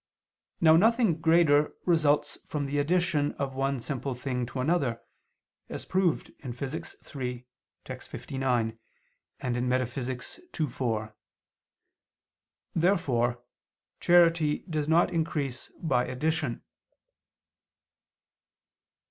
Now nothing greater results from the addition of one simple thing to another, as proved in Phys. iii, text. 59, and Metaph. ii, 4. Therefore charity does not increase by addition.